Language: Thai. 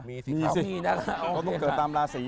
มีสิเขาต้องเกิดตามลาศี